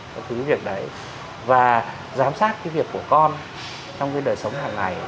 các thứ cái việc đấy và giám sát cái việc của con trong cái đời sống hàng ngày